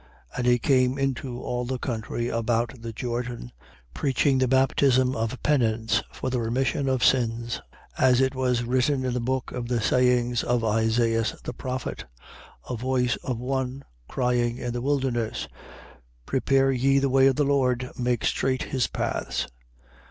3:3. And he came into all the country about the Jordan, preaching the baptism of penance for the remission of sins. 3:4. As it was written in the book of the sayings of Isaias the prophet: A voice of one crying in the wilderness: Prepare ye the way of the Lord, make straight his paths.